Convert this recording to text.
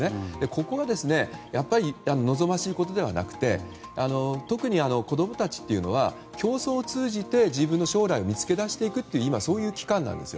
ここは、やっぱり望ましいことではなくて特に、子供たちというのは競争を通じて自分の将来を見つけ出していくという期間なんです。